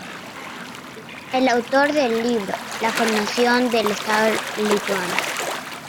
Es autor del libro "La formación del estado lituano".